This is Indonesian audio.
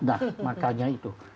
nah makanya itu